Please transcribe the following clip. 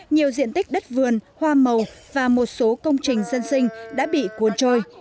nhiều diện tích đất vườn hoa màu và một số công trình dân sinh đã bị cuốn trôi